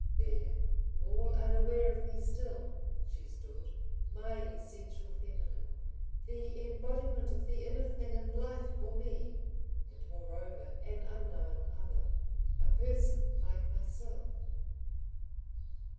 There, all unaware of me still, she stood, my essential feminine, the embodiment of the inner thing in life for me—and moreover an unknown other, a person like myself.